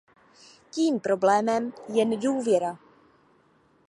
Tím problémem je nedůvěra.